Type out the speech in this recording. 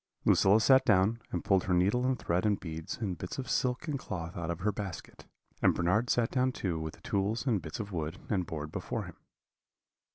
Lucilla sat down, and pulled her needle and thread and beads and bits of silk and cloth out of her basket; and Bernard sat down too with the tools and bits of wood and board before him.